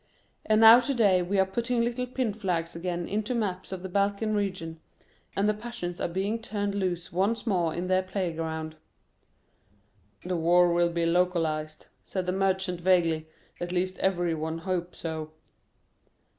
And now to day we are putting little pin flags again into maps of the Balkan region, and the passions are being turned loose once more in their playground." "The war will be localised," said the Merchant vaguely; "at least every one hopes so."